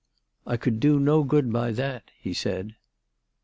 " I could, do no good by that/' he said.